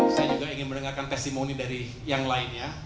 saya juga ingin mendengarkan testimoni dari yang lainnya